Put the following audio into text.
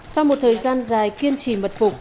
sau một thời gian dài kiên trì mật phục